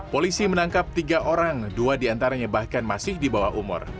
polisi menangkap tiga orang dua diantaranya bahkan masih di bawah umur